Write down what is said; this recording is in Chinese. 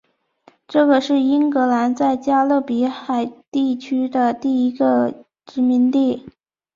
这个是英格兰在加勒比海地区的第一个殖民地。